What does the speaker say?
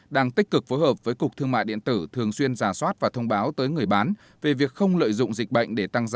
đang tích cực phối hợp với cục thương mại điện tử thường xuyên giả soát và thông báo tới người bán